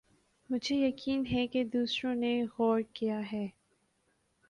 مجھے یقین ہے کہ دوسروں نے غور کِیا ہے